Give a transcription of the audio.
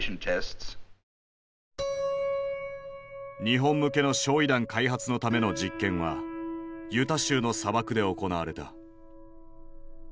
日本向けの焼夷弾開発のための実験はユタ州の砂漠で行われた。